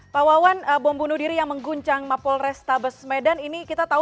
pak wawan bom bunuh diri yang mengguncang mapol restabes medan ini kita tahu